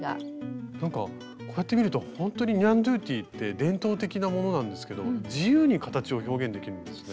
なんかこうやって見るとほんとにニャンドゥティって伝統的なものなんですけど自由に形を表現できるんですね。